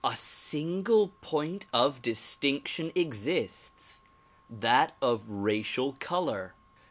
A single point of distinction exists; that of racial color.